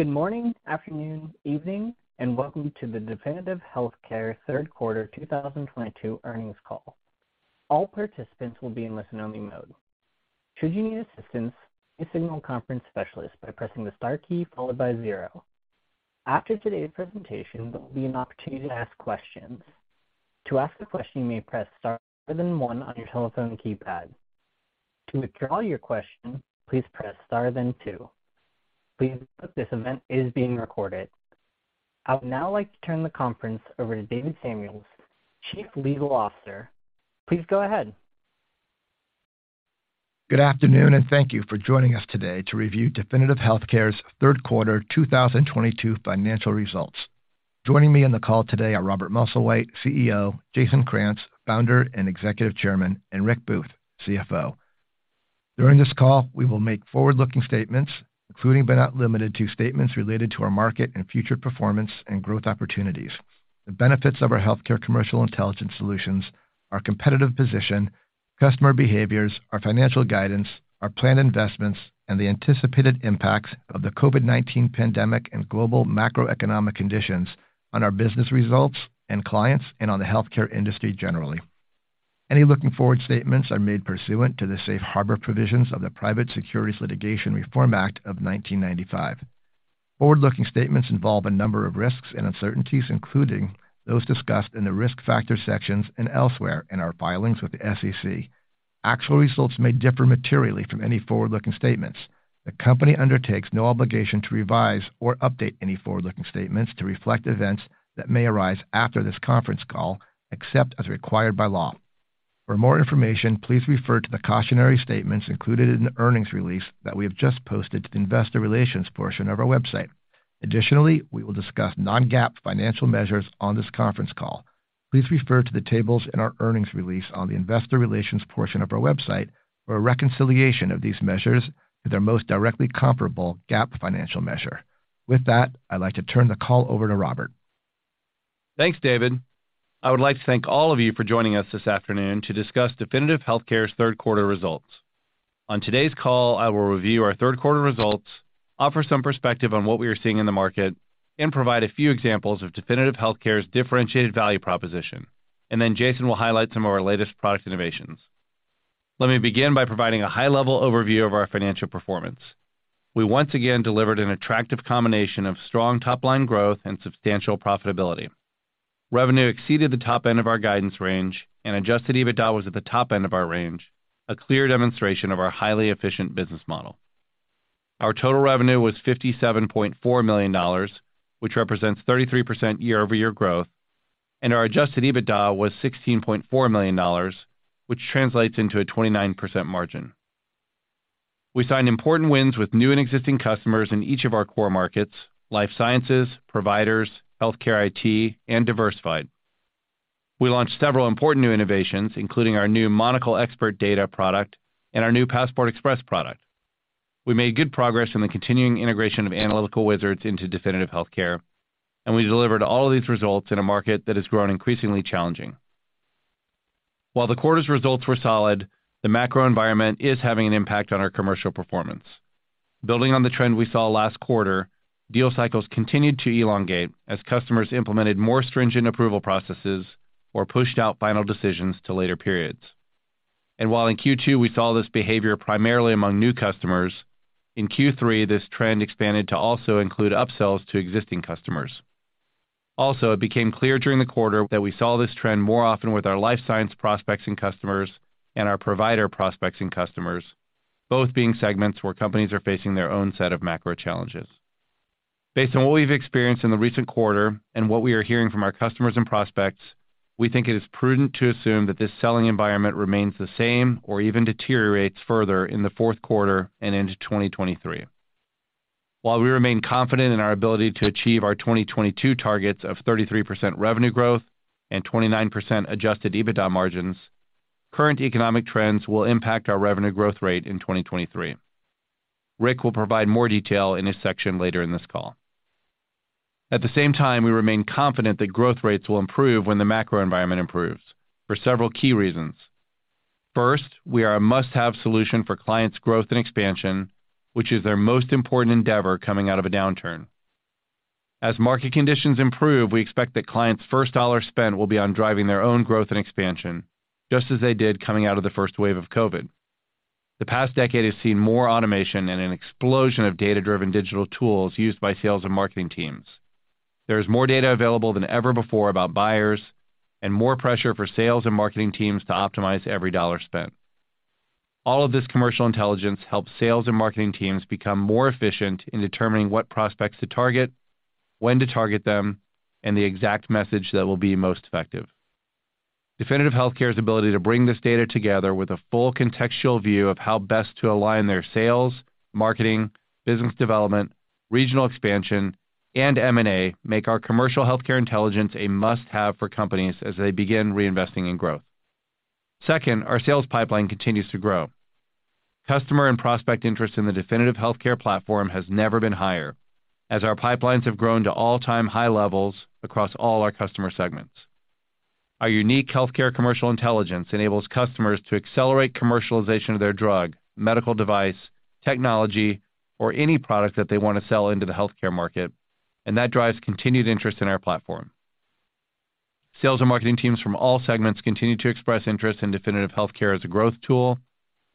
Good morning, afternoon, evening, and welcome to the Definitive Healthcare Third Quarter 2022 Earnings Call. All participants will be in listen only mode. Should you need assistance, please signal a conference specialist by pressing the star key followed by zero. After today's presentation, there will be an opportunity to ask questions. To ask a question, you may press star then one on your telephone keypad. To withdraw your question, please press star then two. Please note this event is being recorded. I would now like to turn the conference over to David Samuels, Chief Legal Officer. Please go ahead. Good afternoon, and thank you for joining us today to review Definitive Healthcare's third quarter 2022 financial results. Joining me on the call today are Robert Musslewhite, CEO; Jason Krantz, Founder and Executive Chairman; and Rick Booth, CFO. During this call, we will make forward-looking statements, including but not limited to statements related to our market and future performance and growth opportunities, the benefits of our healthcare commercial intelligence solutions, our competitive position, customer behaviors, our financial guidance, our planned investments, and the anticipated impacts of the COVID-19 pandemic and global macroeconomic conditions on our business results and clients and on the healthcare industry generally. Any forward-looking statements are made pursuant to the safe harbor provisions of the Private Securities Litigation Reform Act of 1995. Forward-looking statements involve a number of risks and uncertainties, including those discussed in the Risk Factors sections and elsewhere in our filings with the SEC. Actual results may differ materially from any forward-looking statements. The company undertakes no obligation to revise or update any forward-looking statements to reflect events that may arise after this conference call, except as required by law. For more information, please refer to the cautionary statements included in the earnings release that we have just posted to the investor relations portion of our website. Additionally, we will discuss non-GAAP financial measures on this conference call. Please refer to the tables in our earnings release on the investor relations portion of our website for a reconciliation of these measures to their most directly comparable GAAP financial measure. With that, I'd like to turn the call over to Robert. Thanks, David. I would like to thank all of you for joining us this afternoon to discuss Definitive Healthcare's third quarter results. On today's call, I will review our third quarter results, offer some perspective on what we are seeing in the market, and provide a few examples of Definitive Healthcare's differentiated value proposition. Jason will highlight some of our latest product innovations. Let me begin by providing a high-level overview of our financial performance. We once again delivered an attractive combination of strong top-line growth and substantial profitability. Revenue exceeded the top end of our guidance range, and adjusted EBITDA was at the top end of our range, a clear demonstration of our highly efficient business model. Our total revenue was $57.4 million, which represents 33% year-over-year growth, and our adjusted EBITDA was $16.4 million, which translates into a 29% margin. We signed important wins with new and existing customers in each of our core markets, life sciences, providers, healthcare IT, and diversified. We launched several important new innovations, including our new Monocl Expert Data product and our new Passport Express product. We made good progress in the continuing integration of Analytical Wizards into Definitive Healthcare, and we delivered all of these results in a market that has grown increasingly challenging. While the quarter's results were solid, the macro environment is having an impact on our commercial performance. Building on the trend we saw last quarter, deal cycles continued to elongate as customers implemented more stringent approval processes or pushed out final decisions to later periods. While in Q2 we saw this behavior primarily among new customers, in Q3, this trend expanded to also include upsells to existing customers. Also, it became clear during the quarter that we saw this trend more often with our life science prospects and customers and our provider prospects and customers, both being segments where companies are facing their own set of macro challenges. Based on what we've experienced in the recent quarter and what we are hearing from our customers and prospects, we think it is prudent to assume that this selling environment remains the same or even deteriorates further in the fourth quarter and into 2023. While we remain confident in our ability to achieve our 2022 targets of 33% revenue growth and 29% adjusted EBITDA margins, current economic trends will impact our revenue growth rate in 2023. Rick will provide more detail in his section later in this call. At the same time, we remain confident that growth rates will improve when the macro environment improves for several key reasons. First, we are a must-have solution for clients' growth and expansion, which is their most important endeavor coming out of a downturn. As market conditions improve, we expect that clients' first dollar spent will be on driving their own growth and expansion, just as they did coming out of the first wave of COVID. The past decade has seen more automation and an explosion of data-driven digital tools used by sales and marketing teams. There is more data available than ever before about buyers and more pressure for sales and marketing teams to optimize every dollar spent. All of this commercial intelligence helps sales and marketing teams become more efficient in determining what prospects to target, when to target them, and the exact message that will be most effective. Definitive Healthcare's ability to bring this data together with a full contextual view of how best to align their sales, marketing, business development, regional expansion, and M&A make our commercial healthcare intelligence a must-have for companies as they begin reinvesting in growth. Second, our sales pipeline continues to grow. Customer and prospect interest in the Definitive Healthcare platform has never been higher, as our pipelines have grown to all-time high levels across all our customer segments. Our unique healthcare commercial intelligence enables customers to accelerate commercialization of their drug, medical device, technology, or any product that they wanna sell into the healthcare market, and that drives continued interest in our platform. Sales and marketing teams from all segments continue to express interest in Definitive Healthcare as a growth tool,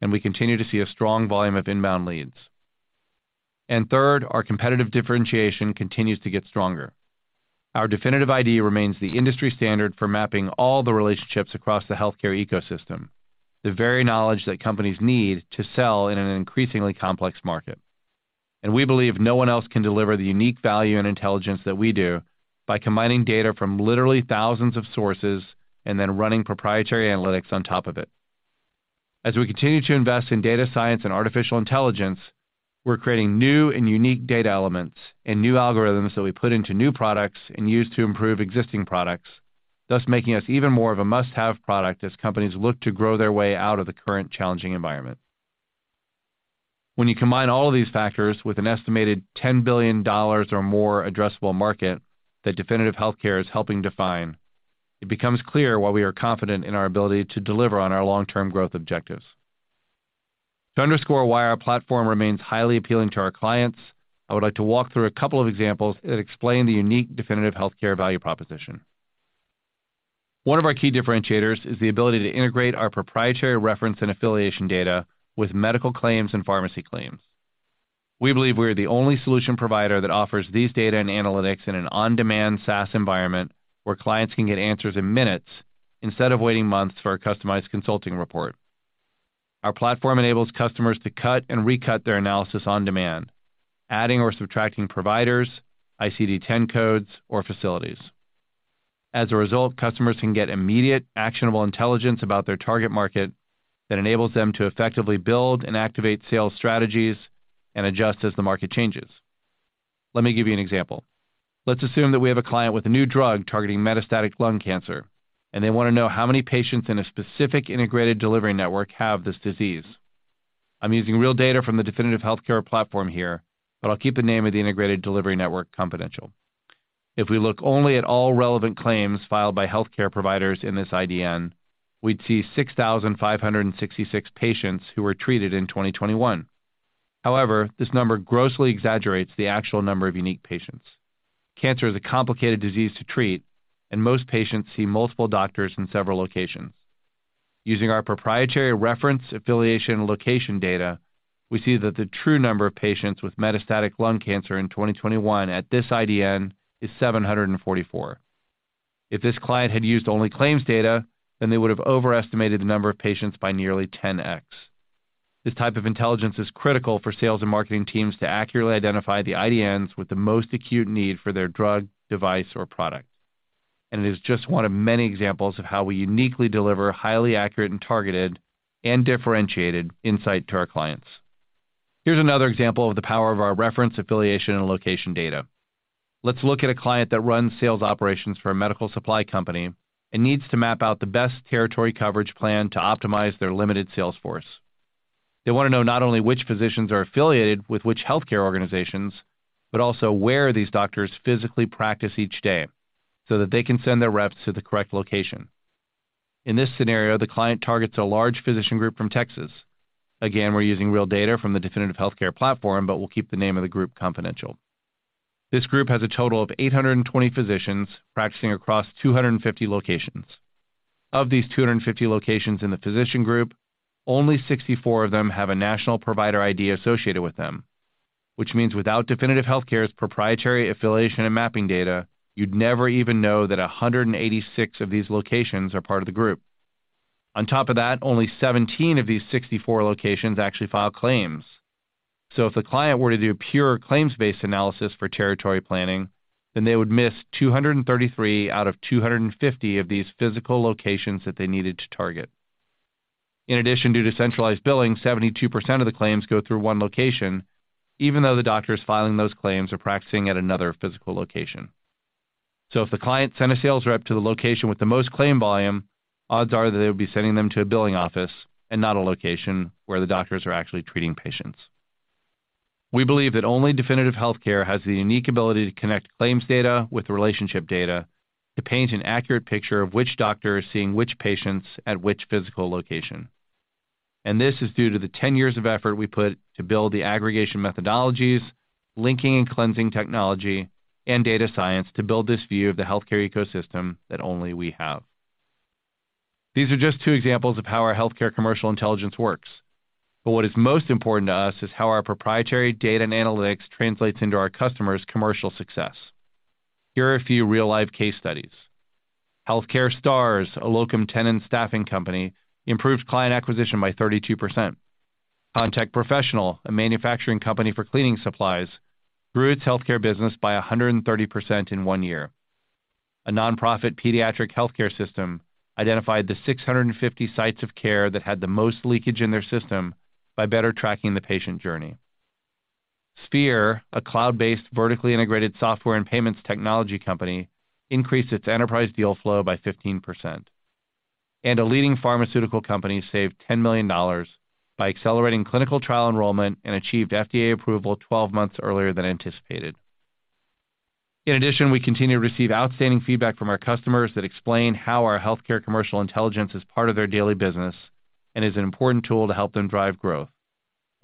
and we continue to see a strong volume of inbound leads. Third, our competitive differentiation continues to get stronger. Our Definitive ID remains the industry standard for mapping all the relationships across the healthcare ecosystem, the very knowledge that companies need to sell in an increasingly complex market. We believe no one else can deliver the unique value and intelligence that we do by combining data from literally thousands of sources and then running proprietary analytics on top of it. As we continue to invest in data science and artificial intelligence, we're creating new and unique data elements and new algorithms that we put into new products and use to improve existing products, thus making us even more of a must-have product as companies look to grow their way out of the current challenging environment. When you combine all of these factors with an estimated $10 billion or more addressable market that Definitive Healthcare is helping define, it becomes clear why we are confident in our ability to deliver on our long-term growth objectives. To underscore why our platform remains highly appealing to our clients, I would like to walk through a couple of examples that explain the unique Definitive Healthcare value proposition. One of our key differentiators is the ability to integrate our proprietary reference and affiliation data with medical claims and pharmacy claims. We believe we are the only solution provider that offers these data and analytics in an on-demand SaaS environment where clients can get answers in minutes instead of waiting months for a customized consulting report. Our platform enables customers to cut and recut their analysis on demand, adding or subtracting providers, ICD-10 codes, or facilities. As a result, customers can get immediate, actionable intelligence about their target market that enables them to effectively build and activate sales strategies and adjust as the market changes. Let me give you an example. Let's assume that we have a client with a new drug targeting metastatic lung cancer, and they wanna know how many patients in a specific integrated delivery network have this disease. I'm using real data from the Definitive Healthcare platform here, but I'll keep the name of the integrated delivery network confidential. If we look only at all relevant claims filed by healthcare providers in this IDN, we'd see 6,566 patients who were treated in 2021. However, this number grossly exaggerates the actual number of unique patients. Cancer is a complicated disease to treat, and most patients see multiple doctors in several locations. Using our proprietary reference, affiliation, and location data, we see that the true number of patients with metastatic lung cancer in 2021 at this IDN is 744. If this client had used only claims data, then they would have overestimated the number of patients by nearly 10x. This type of intelligence is critical for sales and marketing teams to accurately identify the IDNs with the most acute need for their drug, device, or product. It is just one of many examples of how we uniquely deliver highly accurate and targeted and differentiated insight to our clients. Here's another example of the power of our reference, affiliation, and location data. Let's look at a client that runs sales operations for a medical supply company and needs to map out the best territory coverage plan to optimize their limited sales force. They wanna know not only which physicians are affiliated with which healthcare organizations, but also where these doctors physically practice each day so that they can send their reps to the correct location. In this scenario, the client targets a large physician group from Texas. Again, we're using real data from the Definitive Healthcare platform, but we'll keep the name of the group confidential. This group has a total of 820 physicians practicing across 250 locations. Of these 250 locations in the physician group, only 64 of them have a national provider ID associated with them, which means without Definitive Healthcare's proprietary affiliation and mapping data, you'd never even know that 186 of these locations are part of the group. On top of that, only 17 of these 64 locations actually file claims. If the client were to do a pure claims-based analysis for territory planning, then they would miss 233 out of 250 of these physical locations that they needed to target. In addition, due to centralized billing, 72% of the claims go through one location, even though the doctors filing those claims are practicing at another physical location. If the client sent a sales rep to the location with the most claim volume, odds are that they would be sending them to a billing office and not a location where the doctors are actually treating patients. We believe that only Definitive Healthcare has the unique ability to connect claims data with relationship data to paint an accurate picture of which doctor is seeing which patients at which physical location. This is due to the 10 years of effort we put to build the aggregation methodologies, linking and cleansing technology, and data science to build this view of the healthcare ecosystem that only we have. These are just two examples of how our healthcare commercial intelligence works, but what is most important to us is how our proprietary data and analytics translates into our customers' commercial success. Here are a few real-life case studies. Healthcare Solutions, a locum tenens staffing company, improved client acquisition by 32%. Contec Professional, a manufacturing company for cleaning supplies, grew its healthcare business by 130% in one year. A nonprofit pediatric healthcare system identified the 650 sites of care that had the most leakage in their system by better tracking the patient journey. Sphere, a cloud-based, vertically integrated software and payments technology company, increased its enterprise deal flow by 15%. A leading pharmaceutical company saved $10 million by accelerating clinical trial enrollment and achieved FDA approval 12 months earlier than anticipated. In addition, we continue to receive outstanding feedback from our customers that explain how our healthcare commercial intelligence is part of their daily business and is an important tool to help them drive growth.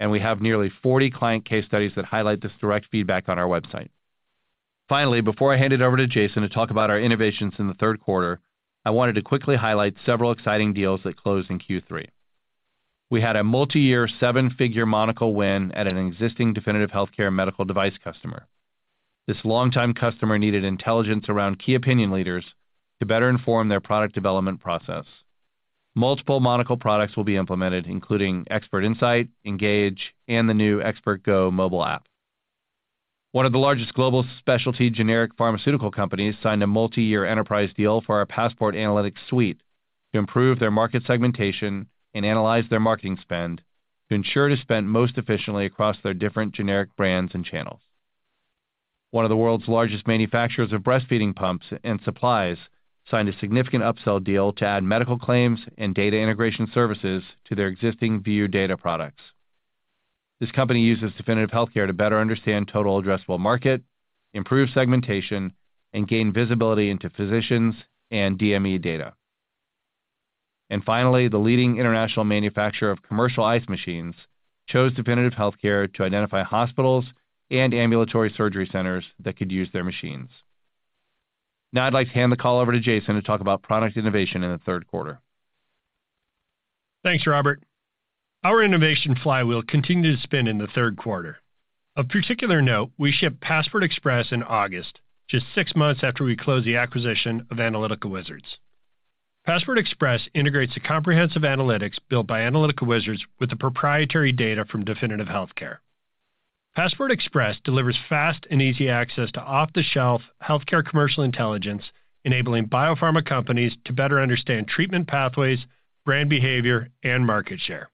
We have nearly 40 client case studies that highlight this direct feedback on our website. Finally, before I hand it over to Jason to talk about our innovations in the third quarter, I wanted to quickly highlight several exciting deals that closed in Q3. We had a multiyear seven-figure Monocl win at an existing Definitive Healthcare medical device customer. This longtime customer needed intelligence around key opinion leaders to better inform their product development process. Multiple Monocl products will be implemented, including ExpertInsight, Engage, and the new Expert Go mobile app. One of the largest global specialty generic pharmaceutical companies signed a multiyear enterprise deal for our Passport Analytics Suite to improve their market segmentation and analyze their marketing spend to ensure it is spent most efficiently across their different generic brands and channels. One of the world's largest manufacturers of breastfeeding pumps and supplies signed a significant upsell deal to add medical claims and data integration services to their existing View data products. This company uses Definitive Healthcare to better understand total addressable market, improve segmentation, and gain visibility into physicians and DME data. Finally, the leading international manufacturer of commercial ice machines chose Definitive Healthcare to identify hospitals and ambulatory surgery centers that could use their machines. Now I'd like to hand the call over to Jason to talk about product innovation in the third quarter. Thanks, Robert. Our innovation flywheel continued to spin in the third quarter. Of particular note, we shipped Passport Express in August, just six months after we closed the acquisition of Analytical Wizards. Passport Express integrates the comprehensive analytics built by Analytical Wizards with the proprietary data from Definitive Healthcare. Passport Express delivers fast and easy access to off-the-shelf healthcare commercial intelligence, enabling biopharma companies to better understand treatment pathways, brand behavior, and market share.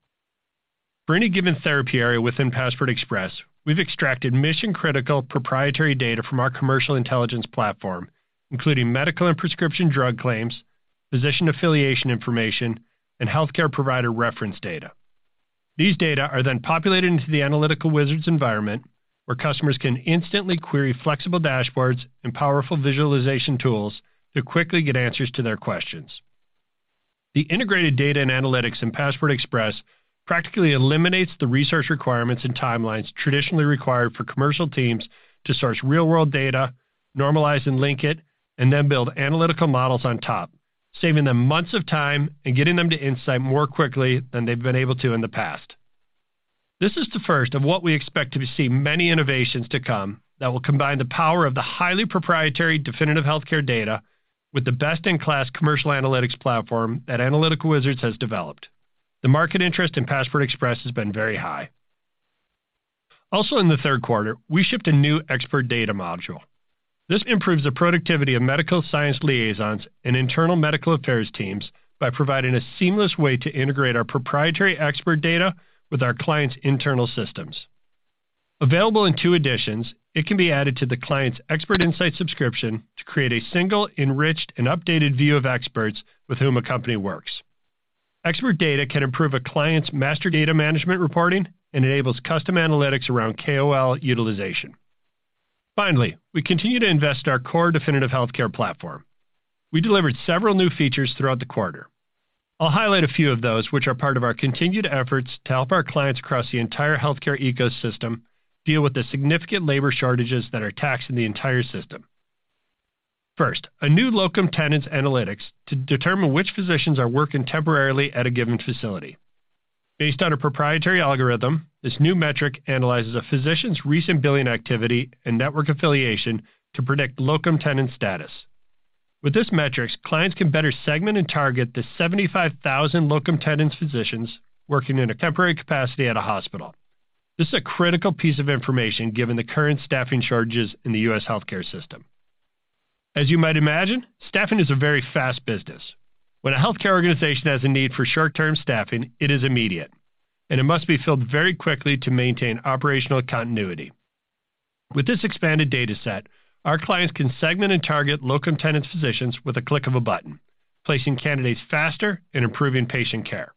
For any given therapy area within Passport Express, we've extracted mission-critical proprietary data from our commercial intelligence platform, including medical and prescription drug claims, physician affiliation information, and healthcare provider reference data. These data are then populated into the Analytical Wizards environment, where customers can instantly query flexible dashboards and powerful visualization tools to quickly get answers to their questions. The integrated data and analytics in Passport Express practically eliminates the research requirements and timelines traditionally required for commercial teams to source real-world data, normalize and link it, and then build analytical models on top, saving them months of time and getting them to insight more quickly than they've been able to in the past. This is the first of what we expect to see many innovations to come that will combine the power of the highly proprietary Definitive Healthcare data with the best-in-class commercial analytics platform that Analytical Wizards has developed. The market interest in Passport Express has been very high. Also in the third quarter, we shipped a new Expert Data module. This improves the productivity of medical science liaisons and internal medical affairs teams by providing a seamless way to integrate our proprietary Expert Data with our clients' internal systems. Available in two editions, it can be added to the client's Expert Insight subscription to create a single, enriched, and updated view of experts with whom a company works. Expert Data can improve a client's master data management reporting and enables custom analytics around KOL utilization. Finally, we continue to invest our core Definitive Healthcare platform. We delivered several new features throughout the quarter. I'll highlight a few of those, which are part of our continued efforts to help our clients across the entire healthcare ecosystem deal with the significant labor shortages that are taxing the entire system. First, a new locum tenens analytics to determine which physicians are working temporarily at a given facility. Based on a proprietary algorithm, this new metric analyzes a physician's recent billing activity and network affiliation to predict locum tenens status. With this metrics, clients can better segment and target the 75,000 locum tenens physicians working in a temporary capacity at a hospital. This is a critical piece of information given the current staffing shortages in the U.S. healthcare system. As you might imagine, staffing is a very fast business. When a healthcare organization has a need for short-term staffing, it is immediate, and it must be filled very quickly to maintain operational continuity. With this expanded data set, our clients can segment and target locum tenens physicians with a click of a button, placing candidates faster and improving patient care.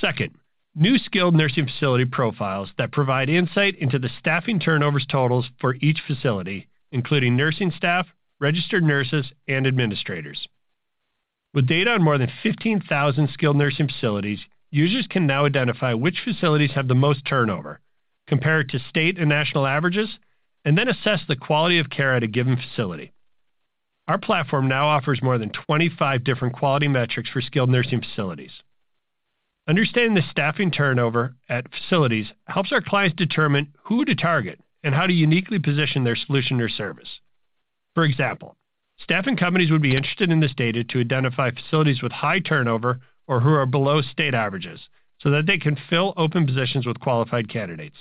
Second, new skilled nursing facility profiles that provide insight into the staffing turnover totals for each facility, including nursing staff, registered nurses, and administrators. With data on more than 15,000 skilled nursing facilities, users can now identify which facilities have the most turnover, compare it to state and national averages, and then assess the quality of care at a given facility. Our platform now offers more than 25 different quality metrics for skilled nursing facilities. Understanding the staffing turnover at facilities helps our clients determine who to target and how to uniquely position their solution or service. For example, staffing companies would be interested in this data to identify facilities with high turnover or who are below state averages so that they can fill open positions with qualified candidates.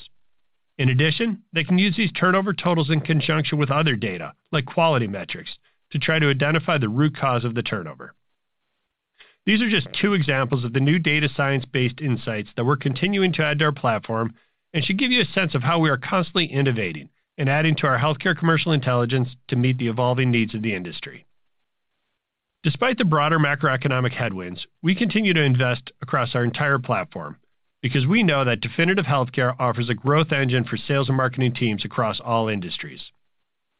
In addition, they can use these turnover totals in conjunction with other data, like quality metrics, to try to identify the root cause of the turnover. These are just two examples of the new data science-based insights that we're continuing to add to our platform and should give you a sense of how we are constantly innovating and adding to our healthcare commercial intelligence to meet the evolving needs of the industry. Despite the broader macroeconomic headwinds, we continue to invest across our entire platform because we know that Definitive Healthcare offers a growth engine for sales and marketing teams across all industries.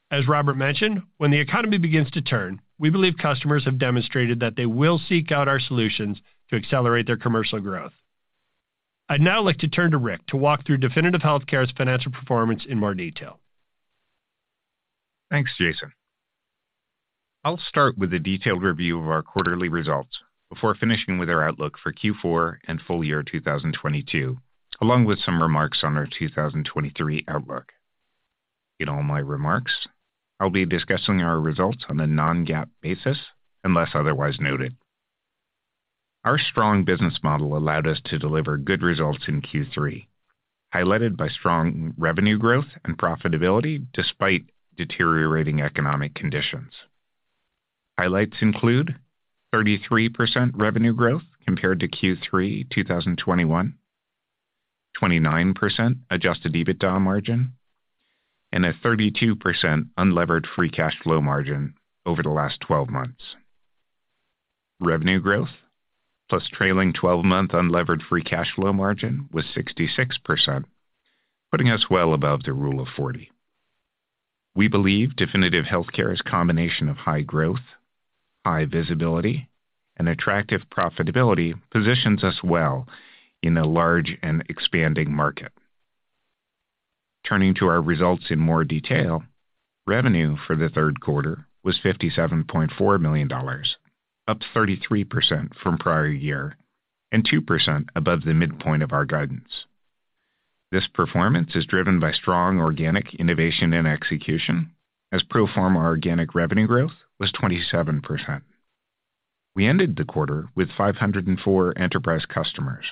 As Robert mentioned, when the economy begins to turn, we believe customers have demonstrated that they will seek out our solutions to accelerate their commercial growth. I'd now like to turn to Rick to walk through Definitive Healthcare's financial performance in more detail. Thanks, Jason. I'll start with a detailed review of our quarterly results before finishing with our outlook for Q4 and full year 2022, along with some remarks on our 2023 outlook. In all my remarks, I'll be discussing our results on a non-GAAP basis unless otherwise noted. Our strong business model allowed us to deliver good results in Q3, highlighted by strong revenue growth and profitability despite deteriorating economic conditions. Highlights include 33% revenue growth compared to Q3 2021, 29% adjusted EBITDA margin, and a 32% unlevered free cash flow margin over the last 12 months. Revenue growth, plus trailing twelve-month unlevered free cash flow margin was 66%, putting us well above the rule of 40. We believe Definitive Healthcare's combination of high growth, high visibility, and attractive profitability positions us well in a large and expanding market. Turning to our results in more detail. Revenue for the third quarter was $57.4 million, up 33% from prior year and 2% above the midpoint of our guidance. This performance is driven by strong organic innovation and execution as pro forma organic revenue growth was 27%. We ended the quarter with 504 enterprise customers,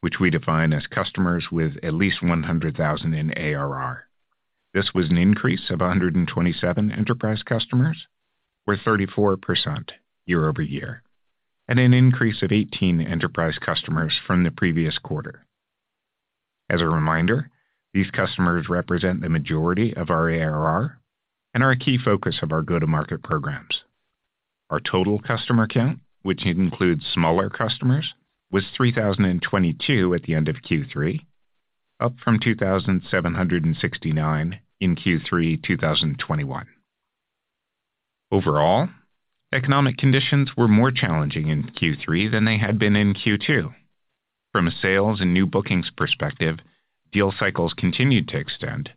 which we define as customers with at least $100,000 in ARR. This was an increase of 127 enterprise customers, or 34% year over year, and an increase of 18 enterprise customers from the previous quarter. As a reminder, these customers represent the majority of our ARR and are a key focus of our go-to-market programs. Our total customer count, which includes smaller customers, was 3,022 at the end of Q3, up from 2,769 in Q3 2021. Overall, economic conditions were more challenging in Q3 than they had been in Q2. From a sales and new bookings perspective, deal cycles continued to extend,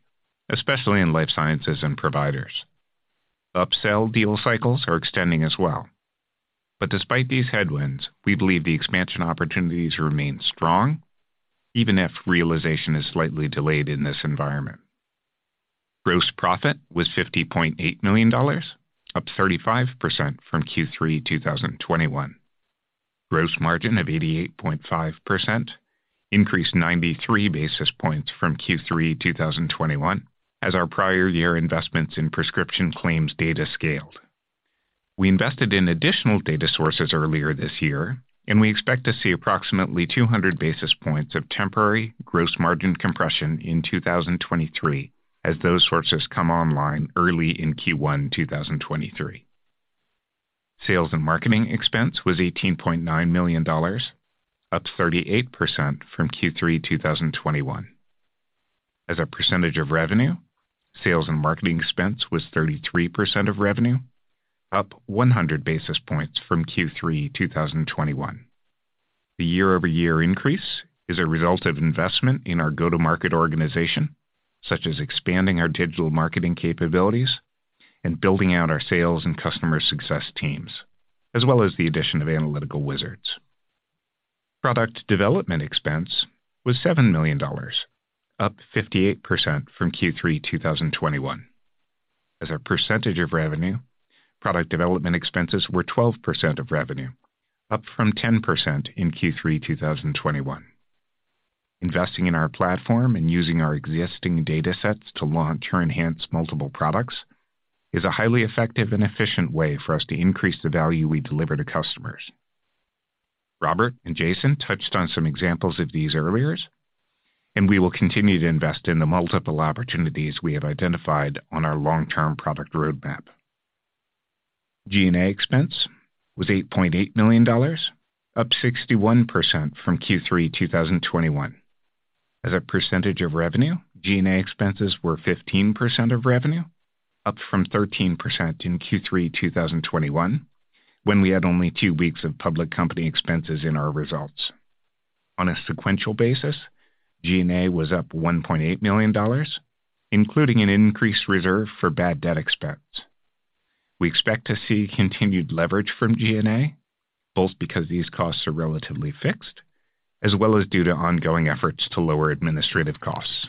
especially in life sciences and providers. Upsell deal cycles are extending as well. Despite these headwinds, we believe the expansion opportunities remain strong even if realization is slightly delayed in this environment. Gross profit was $50.8 million, up 35% from Q3 2021. Gross margin of 88.5% increased 93 basis points from Q3 2021 as our prior year investments in prescription claims data scaled. We invested in additional data sources earlier this year, and we expect to see approximately 200 basis points of temporary gross margin compression in 2023 as those sources come online early in Q1 2023. Sales and marketing expense was $18.9 million, up 38% from Q3 2021. As a percentage of revenue, sales and marketing expense was 33% of revenue, up 100 basis points from Q3 2021. The year-over-year increase is a result of investment in our go-to-market organization, such as expanding our digital marketing capabilities and building out our sales and customer success teams, as well as the addition of Analytical Wizards. Product development expense was $7 million, up 58% from Q3 2021. As a percentage of revenue, product development expenses were 12% of revenue, up from 10% in Q3 2021. Investing in our platform and using our existing datasets to launch or enhance multiple products is a highly effective and efficient way for us to increase the value we deliver to customers. Robert and Jason touched on some examples of these earlier, and we will continue to invest in the multiple opportunities we have identified on our long-term product roadmap. G&A expense was $8.8 million, up 61% from Q3 2021. As a percentage of revenue, G&A expenses were 15% of revenue, up from 13% in Q3 2021 when we had only two weeks of public company expenses in our results. On a sequential basis, G&A was up $1.8 million, including an increased reserve for bad debt expense. We expect to see continued leverage from G&A, both because these costs are relatively fixed as well as due to ongoing efforts to lower administrative costs.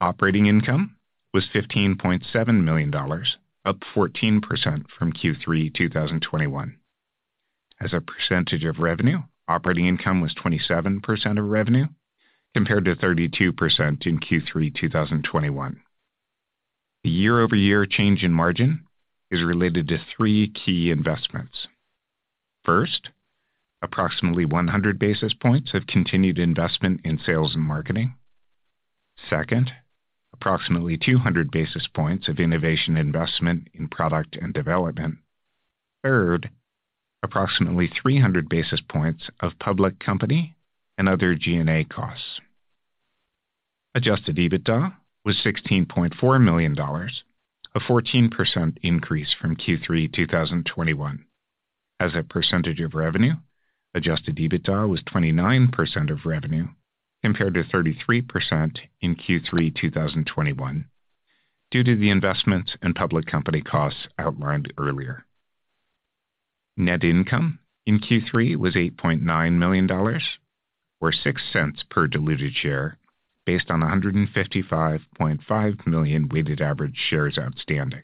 Operating income was $15.7 million, up 14% from Q3 2021. As a percentage of revenue, operating income was 27% of revenue compared to 32% in Q3 2021. The year-over-year change in margin is related to three key investments. First, approximately 100 basis points of continued investment in sales and marketing. Second, approximately 200 basis points of innovation investment in product and development. Third, approximately 300 basis points of public company and other G&A costs. Adjusted EBITDA was $16.4 million, a 14% increase from Q3 2021. As a percentage of revenue, adjusted EBITDA was 29% of revenue, compared to 33% in Q3 2021, due to the investments and public company costs outlined earlier. Net income in Q3 was $8.9 million, or $0.06 per diluted share based on 155.5 million weighted average shares outstanding.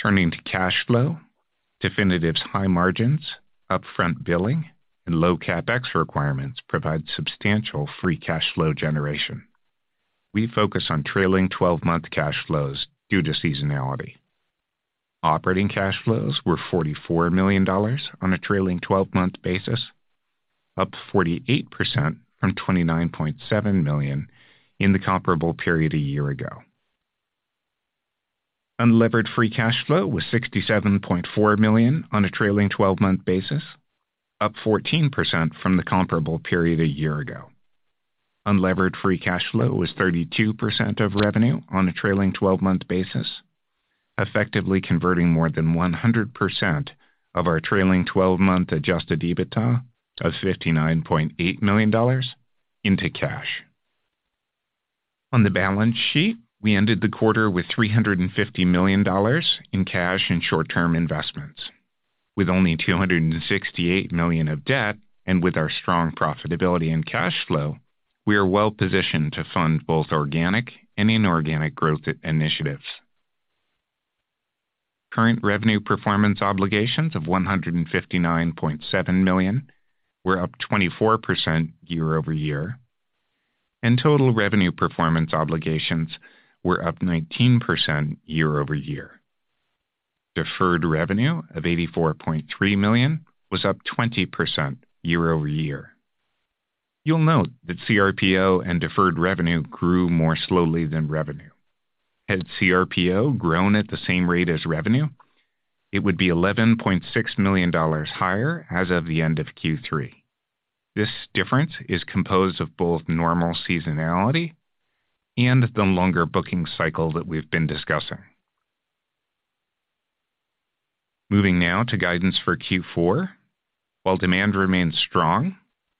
Turning to cash flow, Definitive's high margins, upfront billing, and low CapEx requirements provide substantial free cash flow generation. We focus on trailing-twelve-month cash flows due to seasonality. Operating cash flows were $44 million on a trailing-twelve-month basis, up 48% from $29.7 million in the comparable period a year ago. Unlevered free cash flow was $67.4 million on a trailing 12-month basis, up 14% from the comparable period a year ago. Unlevered free cash flow was 32% of revenue on a trailing-twelve-month basis, effectively converting more than 100% of our trailing-twelve-month adjusted EBITDA of $59.8 million into cash. On the balance sheet, we ended the quarter with $350 million in cash and short-term investments. With only $268 million of debt, and with our strong profitability and cash flow, we are well positioned to fund both organic and inorganic growth initiatives. Current revenue performance obligations of $159.7 million were up 24% year-over-year, and total revenue performance obligations were up 19% year-over-year. Deferred revenue of $84.3 million was up 20% year-over-year. You'll note that CRPO and deferred revenue grew more slowly than revenue. Had CRPO grown at the same rate as revenue, it would be $11.6 million higher as of the end of Q3. This difference is composed of both normal seasonality and the longer booking cycle that we've been discussing. Moving now to guidance for Q4. While demand remains strong,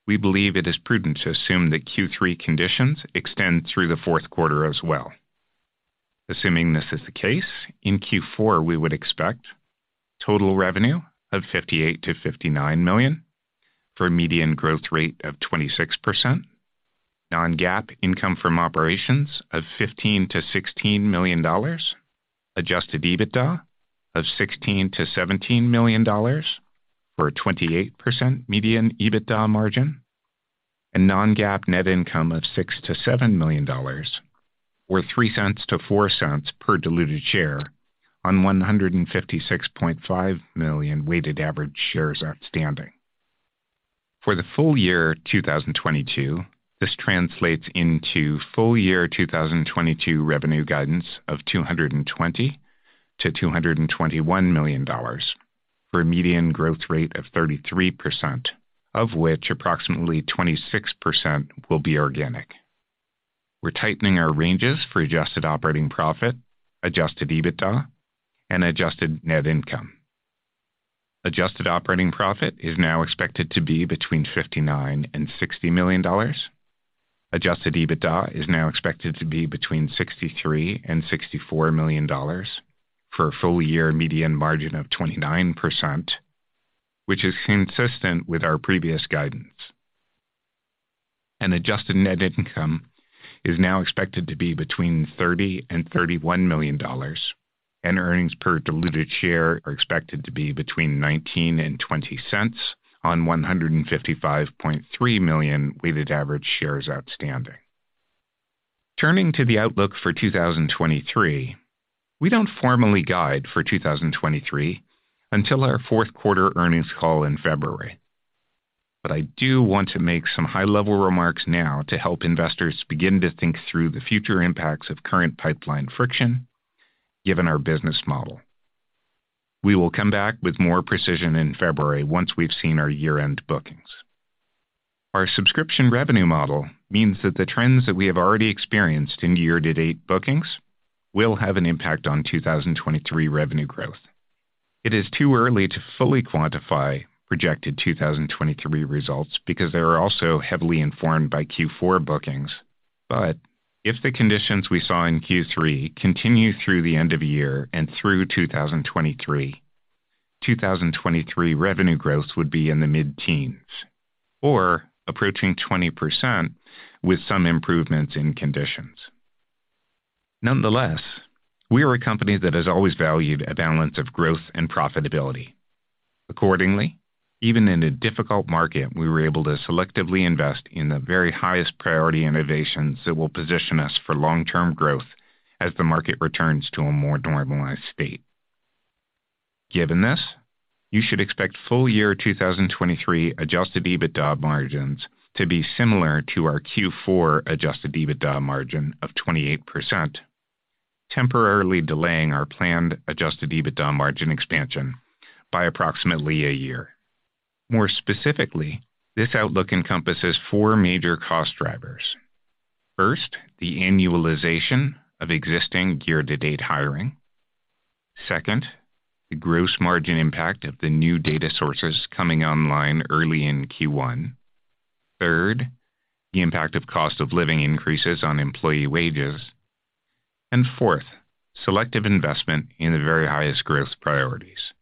we believe it is prudent to assume that Q3 conditions extend through the fourth quarter as well. Assuming this is the case, in Q4 we would expect total revenue of $58 million-$59 million, for a median growth rate of 26%, non-GAAP income from operations of $15 million-$16 million, adjusted EBITDA of $16 million-$17 million for a 28% median EBITDA margin, and non-GAAP net income of $6 million-$7 million, or $0.03-$0.04 per diluted share on 156.5 million weighted average shares outstanding. For the full year 2022, this translates into full year 2022 revenue guidance of $220 million-$221 million for a median growth rate of 33%, of which approximately 26% will be organic. We're tightening our ranges for adjusted operating profit, adjusted EBITDA, and adjusted net income. Adjusted operating profit is now expected to be between $59 million and $60 million. Adjusted EBITDA is now expected to be between $63 million and $64 million for a full year median margin of 29%, which is consistent with our previous guidance. Adjusted net income is now expected to be between $30 million and $31 million, and earnings per diluted share are expected to be between $0.19 and $0.20 on 155.3 million weighted average shares outstanding. Turning to the outlook for 2023, we don't formally guide for 2023 until our fourth quarter earnings call in February. I do want to make some high-level remarks now to help investors begin to think through the future impacts of current pipeline friction, given our business model. We will come back with more precision in February once we've seen our year-end bookings. Our subscription revenue model means that the trends that we have already experienced in year-to-date bookings will have an impact on 2023 revenue growth. It is too early to fully quantify projected 2023 results because they are also heavily informed by Q4 bookings. If the conditions we saw in Q3 continue through the end of the year and through 2023 revenue growth would be in the mid-teens or approaching 20% with some improvements in conditions. Nonetheless, we are a company that has always valued a balance of growth and profitability. Accordingly, even in a difficult market, we were able to selectively invest in the very highest priority innovations that will position us for long-term growth as the market returns to a more normalized state. Given this, you should expect full year 2023 adjusted EBITDA margins to be similar to our Q4 adjusted EBITDA margin of 28%, temporarily delaying our planned adjusted EBITDA margin expansion by approximately a year. More specifically, this outlook encompasses four major cost drivers. First, the annualization of existing year-to-date hiring. Second, the gross margin impact of the new data sources coming online early in Q1. Third, the impact of cost of living increases on employee wages. Fourth, selective investment in the very highest growth priorities.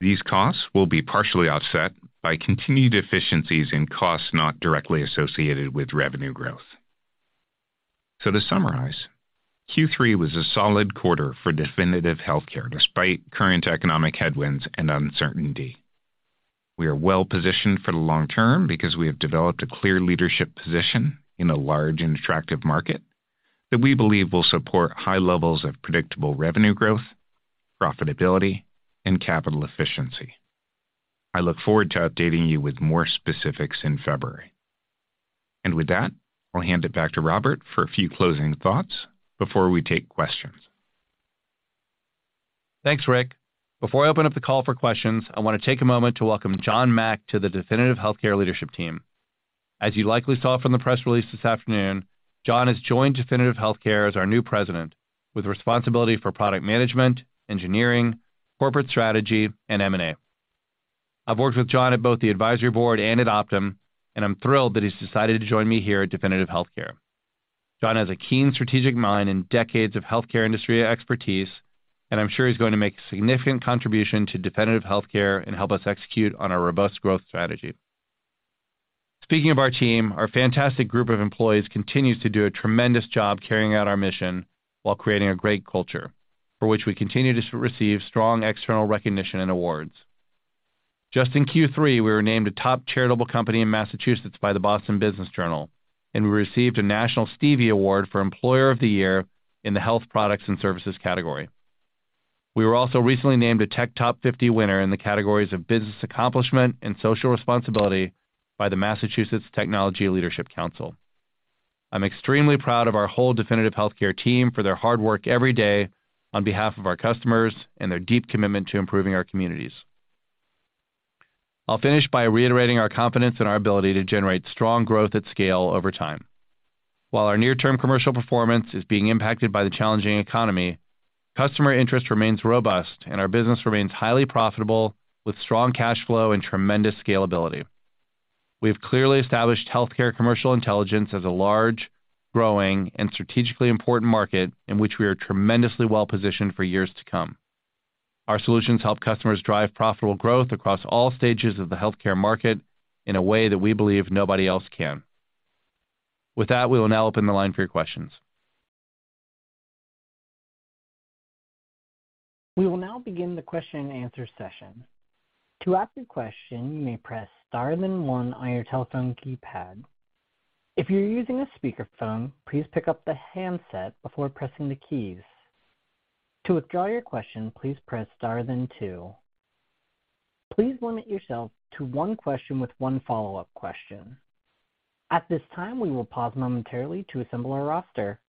These costs will be partially offset by continued efficiencies in costs not directly associated with revenue growth. To summarize, Q3 was a solid quarter for Definitive Healthcare despite current economic headwinds and uncertainty. We are well-positioned for the long term because we have developed a clear leadership position in a large and attractive market that we believe will support high levels of predictable revenue growth, profitability, and capital efficiency. I look forward to updating you with more specifics in February. With that, I'll hand it back to Robert for a few closing thoughts before we take questions. Thanks, Rick. Before I open up the call for questions, I wanna take a moment to welcome John Mack to the Definitive Healthcare leadership team. As you likely saw from the press release this afternoon, John has joined Definitive Healthcare as our new president with responsibility for product management, engineering, corporate strategy, and M&A. I've worked with John at both The Advisory Board and at Optum, and I'm thrilled that he's decided to join me here at Definitive Healthcare. John has a keen strategic mind and decades of healthcare industry expertise, and I'm sure he's going to make a significant contribution to Definitive Healthcare and help us execute on our robust growth strategy. Speaking of our team, our fantastic group of employees continues to do a tremendous job carrying out our mission while creating a great culture for which we continue to receive strong external recognition and awards. Just in Q3, we were named a top charitable company in Massachusetts by the Boston Business Journal, and we received a National Stevie Award for Employer of the Year in the health products and services category. We were also recently named a Tech Top 50 winner in the categories of business accomplishment and social responsibility by the Massachusetts Technology Leadership Council. I'm extremely proud of our whole Definitive Healthcare team for their hard work every day on behalf of our customers and their deep commitment to improving our communities. I'll finish by reiterating our confidence in our ability to generate strong growth at scale over time. While our near-term commercial performance is being impacted by the challenging economy, customer interest remains robust, and our business remains highly profitable with strong cash flow and tremendous scalability. We've clearly established healthcare commercial intelligence as a large, growing, and strategically important market in which we are tremendously well positioned for years to come. Our solutions help customers drive profitable growth across all stages of the healthcare market in a way that we believe nobody else can. With that, we will now open the line for your questions. We will now begin the question and answer session. To ask a question, you may press star then one on your telephone keypad. If you're using a speakerphone, please pick up the handset before pressing the keys. To withdraw your question, please press star then two. Please limit yourself to one question with one follow-up question. At this time, we will pause momentarily to assemble our roster.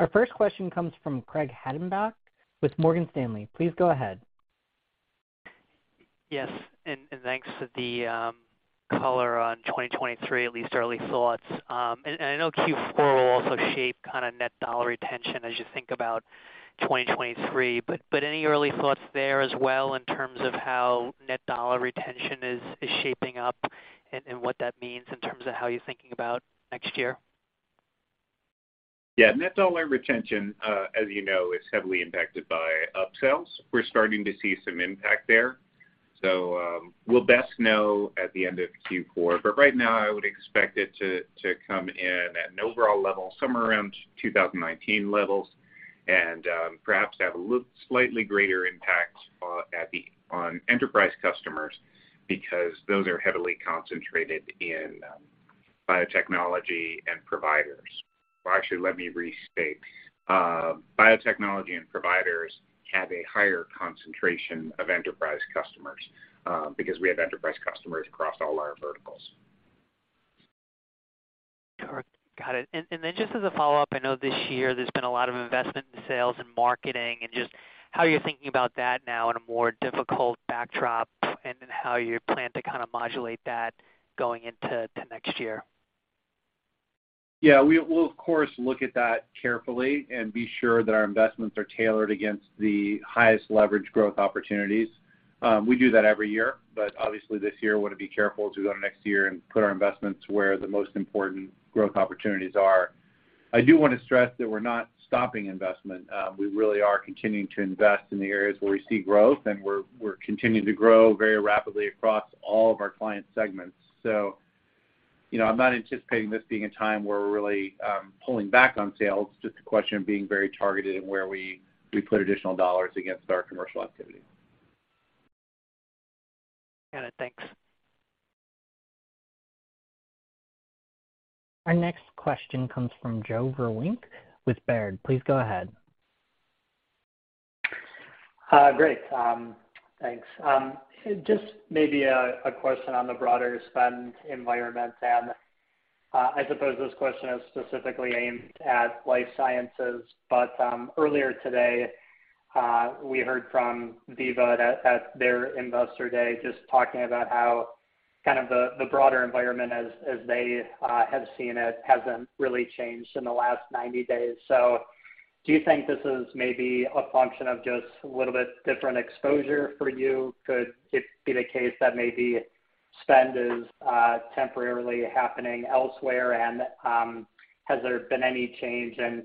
Our first question comes from Craig Hettenbach with Morgan Stanley. Please go ahead. Yes. Thanks for the color on 2023, at least early thoughts. I know Q4 will also shape kind of net dollar retention as you think about 2023, but any early thoughts there as well in terms of how net dollar retention is shaping up and what that means in terms of how you're thinking about next year? Yeah. Net dollar retention, as you know, is heavily impacted by upsells. We're starting to see some impact there. We'll best know at the end of Q4, but right now I would expect it to come in at an overall level somewhere around 2019 levels and, perhaps have a slightly greater impact on enterprise customers because those are heavily concentrated in biotechnology and providers. Actually let me restate. Biotechnology and providers have a higher concentration of enterprise customers because we have enterprise customers across all our verticals. Sure. Got it. Just as a follow-up, I know this year there's been a lot of investment in sales and marketing, and just how you're thinking about that now in a more difficult backdrop, and then how you plan to kind of modulate that going into next year? Yeah. We'll of course look at that carefully and be sure that our investments are tailored against the highest leverage growth opportunities. We do that every year, but obviously this year wanna be careful as we go to next year and put our investments where the most important growth opportunities are. I do wanna stress that we're not stopping investment. We really are continuing to invest in the areas where we see growth, and we're continuing to grow very rapidly across all of our client segments. You know, I'm not anticipating this being a time where we're really pulling back on sales, just a question of being very targeted in where we put additional dollars against our commercial activity. Got it. Thanks. Our next question comes from Joe Vruwink with Baird. Please go ahead. Great. Thanks. Just maybe a question on the broader spend environment, and I suppose this question is specifically aimed at life sciences. Earlier today, we heard from Veeva at their Investor Day just talking about how kind of the broader environment as they have seen it hasn't really changed in the last 90 days. Do you think this is maybe a function of just a little bit different exposure for you? Could it be the case that maybe spend is temporarily happening elsewhere? Has there been any change in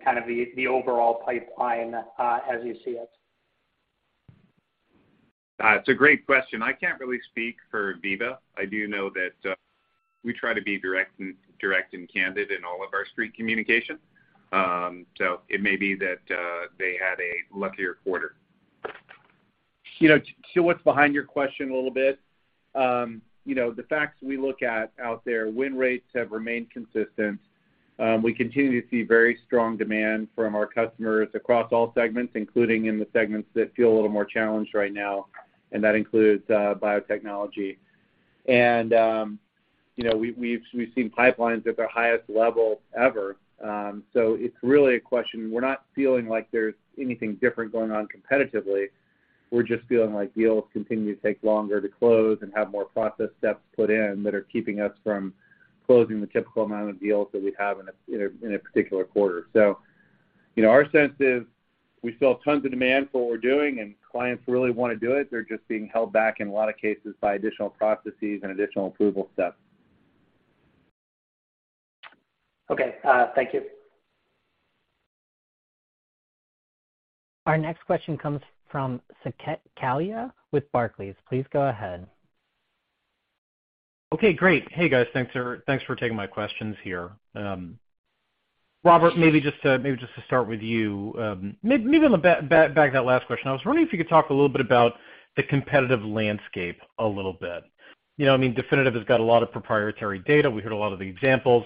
the overall pipeline as you see it? It's a great question. I can't really speak for Veeva. I do know that we try to be direct and candid in all of our street communication. It may be that they had a luckier quarter. You know, to what's behind your question a little bit, you know, the facts we look at out there, win rates have remained consistent. We continue to see very strong demand from our customers across all segments, including in the segments that feel a little more challenged right now, and that includes biotechnology. You know, we've seen pipelines at their highest level ever. It's really a question. We're not feeling like there's anything different going on competitively. We're just feeling like deals continue to take longer to close and have more process steps put in that are keeping us from closing the typical amount of deals that we have in a particular quarter. You know, our sense is we saw tons of demand for what we're doing, and clients really wanna do it. They're just being held back in a lot of cases by additional processes and additional approval steps. Okay. Thank you. Our next question comes from Saket Kalia with Barclays. Please go ahead. Okay, great. Hey, guys. Thanks for taking my questions here. Robert, maybe just to start with you, back to that last question. I was wondering if you could talk a little bit about the competitive landscape. You know, I mean, Definitive has got a lot of proprietary data. We heard a lot of the examples.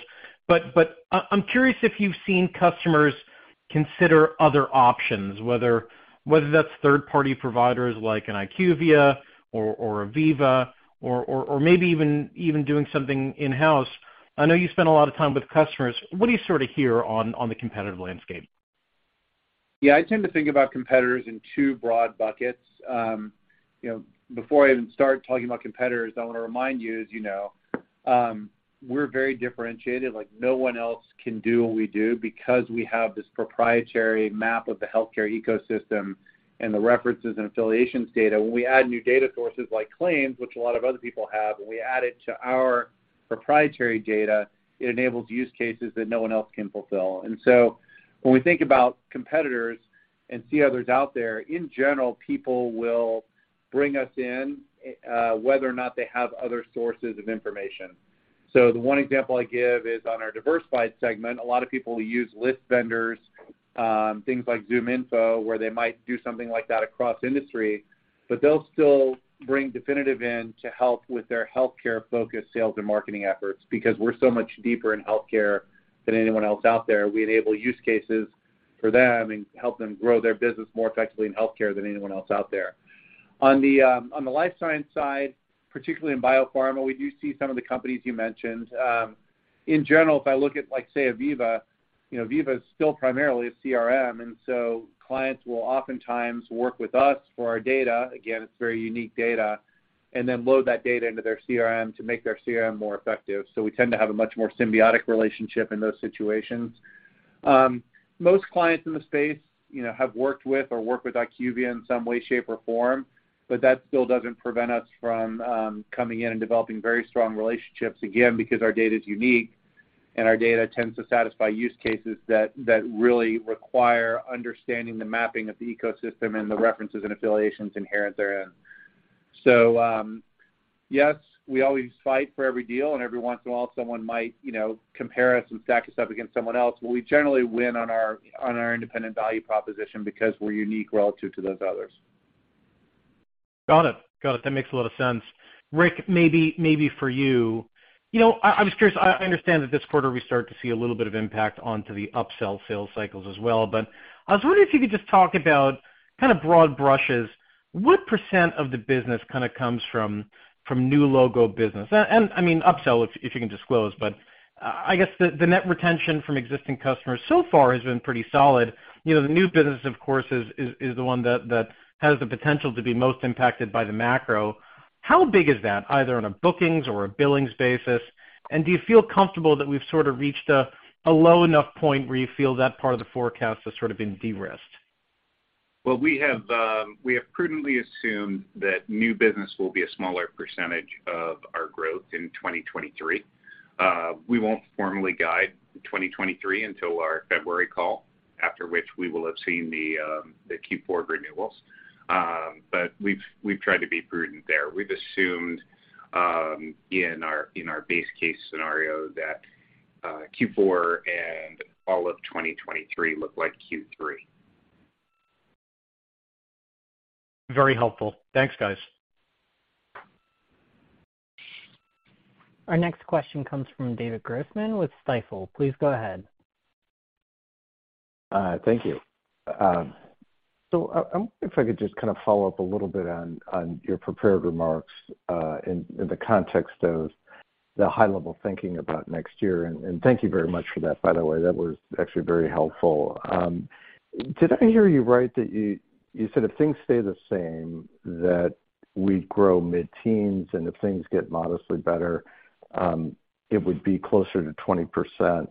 But I'm curious if you've seen customers consider other options, whether that's third-party providers like an IQVIA or a Veeva or maybe even doing something in-house. I know you spend a lot of time with customers. What do you sorta hear on the competitive landscape? Yeah. I tend to think about competitors in two broad buckets. You know, before I even start talking about competitors, I wanna remind you, as you know, we're very differentiated like no one else can do what we do because we have this proprietary map of the healthcare ecosystem and the references and affiliations data. When we add new data sources like claims, which a lot of other people have, when we add it to our proprietary data, it enables use cases that no one else can fulfill. When we think about competitors and see others out there, in general, people will bring us in, whether or not they have other sources of information. The one example I give is on our diversified segment, a lot of people use list vendors, things like ZoomInfo, where they might do something like that across industry, but they'll still bring Definitive in to help with their healthcare-focused sales and marketing efforts because we're so much deeper in healthcare than anyone else out there. We enable use cases for them and help them grow their business more effectively in healthcare than anyone else out there. On the life science side, particularly in biopharma, we do see some of the companies you mentioned. In general, if I look at, like, say, a Veeva, you know, Veeva is still primarily a CRM, and so clients will oftentimes work with us for our data, again, it's very unique data, and then load that data into their CRM to make their CRM more effective. We tend to have a much more symbiotic relationship in those situations. Most clients in the space, you know, have worked with or work with IQVIA in some way, shape, or form, but that still doesn't prevent us from coming in and developing very strong relationships, again, because our data is unique and our data tends to satisfy use cases that really require understanding the mapping of the ecosystem and the references and affiliations inherent therein. Yes, we always fight for every deal, and every once in a while, someone might, you know, compare us and stack us up against someone else, but we generally win on our independent value proposition because we're unique relative to those others. Got it. Got it. That makes a lot of sense. Rick, maybe for you. You know, I was curious. I understand that this quarter we start to see a little bit of impact onto the upsell sales cycles as well, but I was wondering if you could just talk about kind of broad brushes, what percent of the business kind of comes from new logo business? I mean, upsell if you can disclose, but I guess the net retention from existing customers so far has been pretty solid. You know, the new business, of course, is the one that has the potential to be most impacted by the macro. How big is that, either on a bookings or a billings basis? Do you feel comfortable that we've sorta reached a low enough point where you feel that part of the forecast has sort of been de-risked? Well, we have prudently assumed that new business will be a smaller percentage of our growth in 2023. We won't formally guide 2023 until our February call, after which we will have seen the Q4 renewals. We've tried to be prudent there. We've assumed in our base case scenario that Q4 and all of 2023 look like Q3. Very helpful. Thanks, guys. Our next question comes from David Grossman with Stifel. Please go ahead. Thank you. If I could just kind of follow up a little bit on your prepared remarks, in the context of the high level thinking about next year, and thank you very much for that, by the way. That was actually very helpful. Did I hear you right that you said if things stay the same, that we grow mid-teens%, and if things get modestly better, it would be closer to 20%.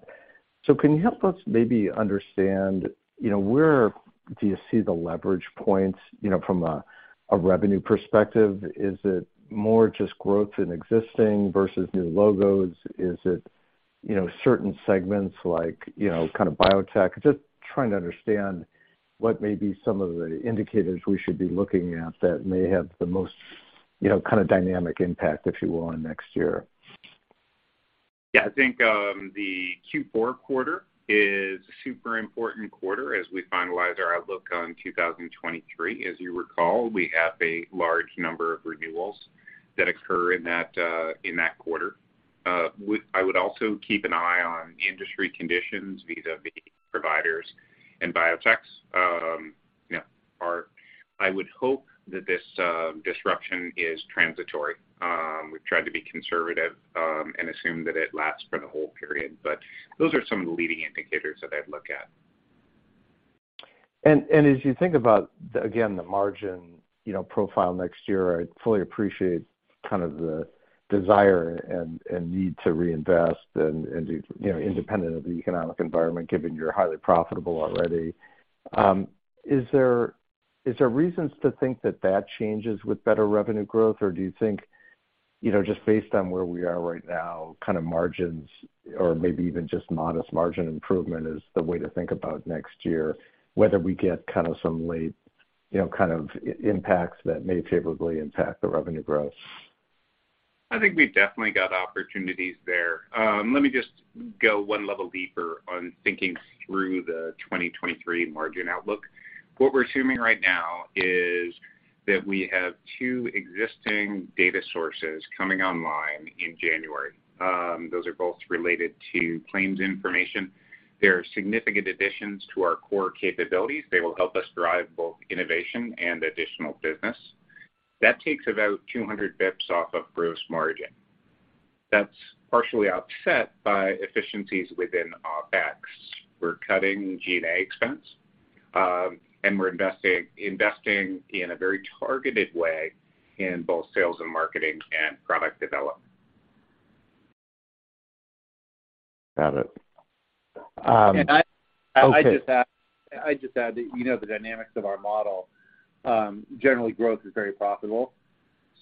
Can you help us maybe understand, you know, where do you see the leverage points, you know, from a revenue perspective? Is it more just growth in existing versus new logos? Is it, you know, certain segments like, you know, kind of biotech? Just trying to understand what may be some of the indicators we should be looking at that may have the most, you know, kind of dynamic impact, if you will, on next year. Yeah. I think the Q4 quarter is super important quarter as we finalize our outlook on 2023. As you recall, we have a large number of renewals that occur in that quarter. I would also keep an eye on industry conditions vis-à-vis providers and biotechs. You know, I would hope that this disruption is transitory. We've tried to be conservative and assume that it lasts for the whole period, but those are some of the leading indicators that I'd look at. As you think about, again, the margin, you know, profile next year, I fully appreciate kind of the desire and, you know, independent of the economic environment, given you're highly profitable already. Is there reasons to think that changes with better revenue growth? Or do you think, you know, just based on where we are right now, kind of margins or maybe even just modest margin improvement is the way to think about next year, whether we get kind of some late, you know, kind of impacts that may favorably impact the revenue growth? I think we definitely got opportunities there. Let me just go one level deeper on thinking through the 2023 margin outlook. What we're assuming right now is that we have two existing data sources coming online in January. Those are both related to claims information. They're significant additions to our core capabilities. They will help us drive both innovation and additional business. That takes about 200 basis points off of gross margin. That's partially offset by efficiencies within OpEx. We're cutting G&A expense, and we're investing in a very targeted way in both sales and marketing and product development. Got it. Okay. I just add that, you know, the dynamics of our model, generally growth is very profitable.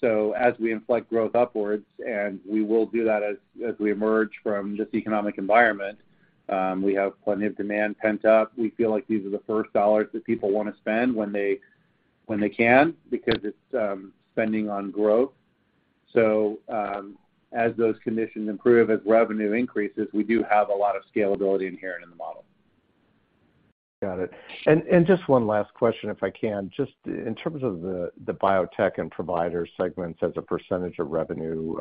As we inflect growth upwards, and we will do that as we emerge from this economic environment, we have plenty of demand pent up. We feel like these are the first dollars that people wanna spend when they can because it's spending on growth. As those conditions improve, as revenue increases, we do have a lot of scalability inherent in the model. Got it. Just one last question, if I can. Just in terms of the biotech and provider segments as a percentage of revenue,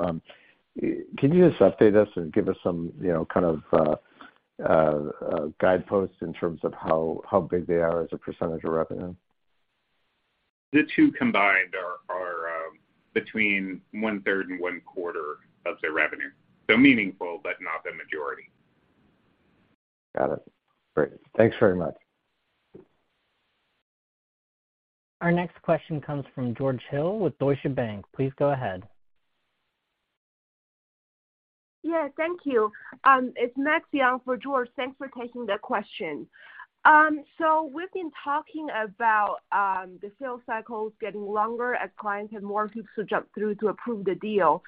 can you just update us and give us some, you know, kind of guideposts in terms of how big they are as a percentage of revenue? The two combined are between 1/3 and 1/4 of the revenue. Meaningful, but not the majority. Got it. Great. Thanks very much. Our next question comes from George Hill with Deutsche Bank. Please go ahead. Yeah. Thank you. It's Max Young for George. Thanks for taking the question. So we've been talking about the sales cycles getting longer as clients have more hoops to jump through to approve the deal.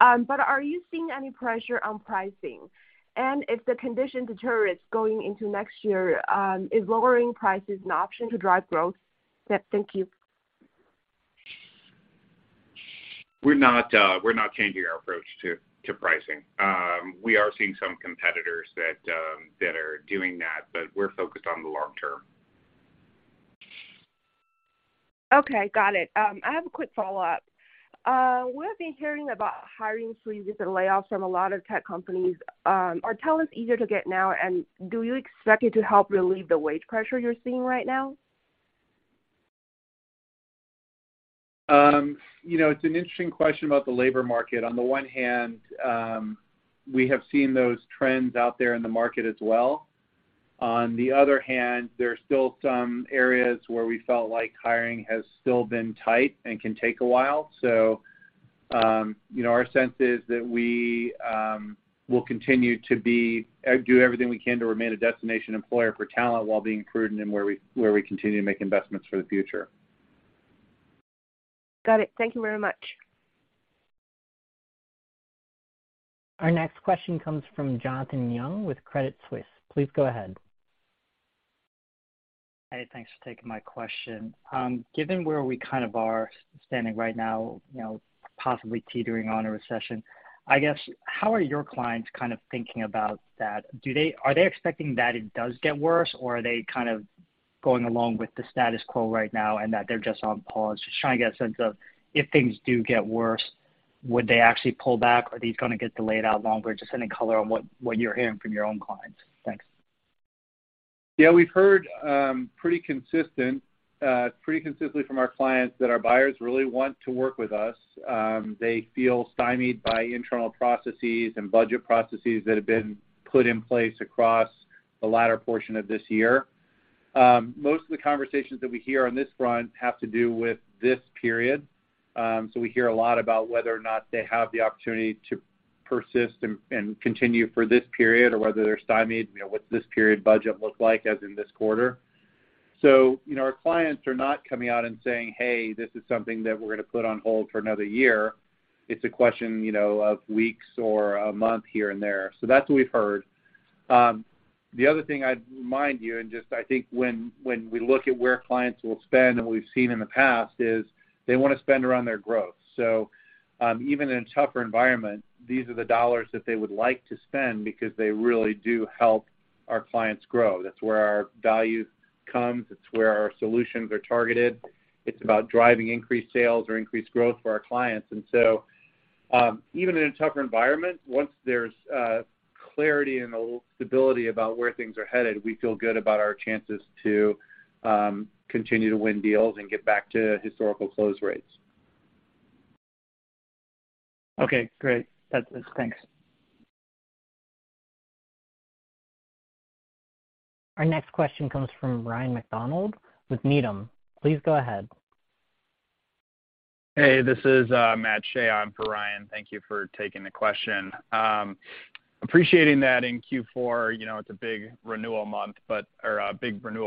But are you seeing any pressure on pricing? And if the condition deteriorates going into next year, is lowering prices an option to drive growth? Yeah. Thank you. We're not changing our approach to pricing. We are seeing some competitors that are doing that, but we're focused on the long term. Okay. Got it. I have a quick follow-up. We've been hearing about hiring freezes and layoffs from a lot of tech companies. Are talent easier to get now? Do you expect it to help relieve the wage pressure you're seeing right now? You know, it's an interesting question about the labor market. On the one hand, we have seen those trends out there in the market as well. On the other hand, there are still some areas where we felt like hiring has still been tight and can take a while. You know, our sense is that we will continue to do everything we can to remain a destination employer for talent while being prudent in where we continue to make investments for the future. Got it. Thank you very much. Our next question comes from Jonathan Yong with Credit Suisse. Please go ahead. Hey, thanks for taking my question. Given where we kind of are standing right now, you know, possibly teetering on a recession, I guess how are your clients kind of thinking about that? Are they expecting that it does get worse, or are they kind of going along with the status quo right now and that they're just on pause? Just trying to get a sense of if things do get worse. Would they actually pull back? Are these going to get delayed out longer? Just any color on what you're hearing from your own clients. Thanks. Yeah, we've heard, pretty consistent, pretty consistently from our clients that our buyers really want to work with us. They feel stymied by internal processes and budget processes that have been put in place across the latter portion of this year. Most of the conversations that we hear on this front have to do with this period. We hear a lot about whether or not they have the opportunity to persist and continue for this period or whether they're stymied, you know, what's this period budget look like as in this quarter. You know, our clients are not coming out and saying, "Hey, this is something that we're gonna put on hold for another year." It's a question, you know, of weeks or a month here and there. That's what we've heard. The other thing I'd remind you, and just I think when we look at where clients will spend and what we've seen in the past, is they wanna spend around their growth. Even in a tougher environment, these are the dollars that they would like to spend because they really do help our clients grow. That's where our value comes. It's where our solutions are targeted. It's about driving increased sales or increased growth for our clients. Even in a tougher environment, once there's clarity and a stability about where things are headed, we feel good about our chances to continue to win deals and get back to historical close rates. Okay, great. That's it. Thanks. Our next question comes from Ryan MacDonald with Needham. Please go ahead. Hey, this is Matt Shea on for Ryan. Thank you for taking the question. Appreciating that in Q4, you know, it's a big renewal